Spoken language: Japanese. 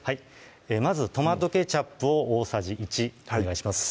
まずトマトケチャップを大さじ１お願いします